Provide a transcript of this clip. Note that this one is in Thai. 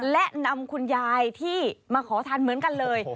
และนำคุณยายที่มาขอทานเหมือนกันเลย